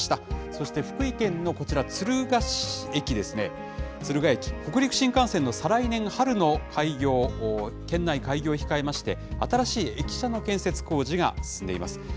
そして福井県のこちら、敦賀駅ですね、敦賀駅、北陸新幹線の再来年春の開業、県内開業を控えまして新しい駅舎の建設工事が進んでいます。